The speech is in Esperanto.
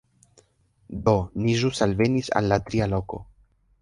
Do, ni ĵus alvenis al la tria loko